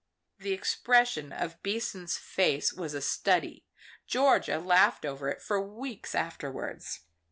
The expression of Beason's face was a study. Georgia laughed over it for weeks afterwards.